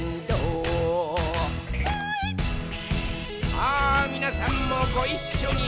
さあ、みなさんもごいっしょに！